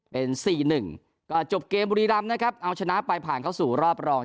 เป็น๔๑ก็จบเกมบุรีรำนะครับเอาชนะไปผ่านเข้าสู่รอบรอง